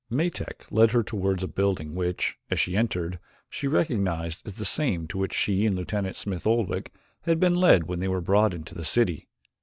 Metak led her toward a building which, as she entered, she recognized as the same to which she and Lieutenant Smith Oldwick had been led when they were brought into the city.